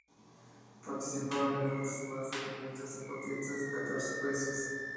Participaron entonces más de quinientos deportistas de catorce países.